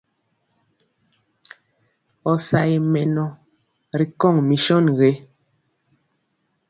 Ɔ sa ye mɛnɔ ri kɔŋ mison gé?